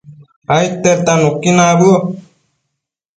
aidtedta nuqui nabëo